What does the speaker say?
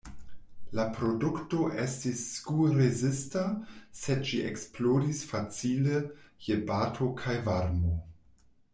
La produkto estis sku-rezista, sed ĝi eksplodis facile je bato kaj varmo.